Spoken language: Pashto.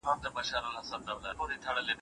ايا مرسته کول ښه دي؟